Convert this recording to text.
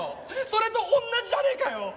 それと同じじゃねえかよ！